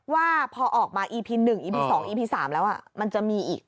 ว่าพอออกมาอีพีหนึ่งอีพีสองอีพีสามแล้วอ่ะมันจะมีอีก